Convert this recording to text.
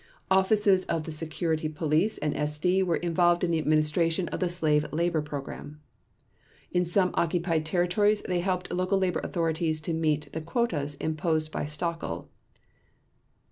Offices of the Security Police and SD were involved in the administration of the Slave Labor Program. In some occupied territories they helped local labor authorities to meet the quotas imposed by Sauckel.